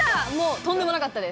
とんでもなかったです。